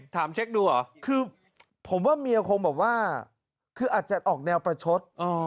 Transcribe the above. เช็คดูเหรอคือผมว่าเมียคงแบบว่าคืออาจจะออกแนวประชด